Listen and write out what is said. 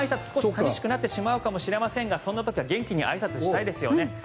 少し寂しくなってしまうかもしれませんがそんな時は元気にあいさつしたいですよね。